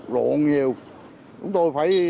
rộn nhiều chúng tôi phải